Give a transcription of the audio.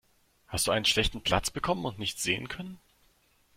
Hast du einen schlechten Platz bekommen und nichts sehen können?